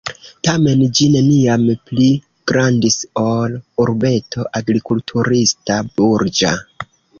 Tamen ĝi neniam pli grandis ol urbeto agrikulturista-burĝa.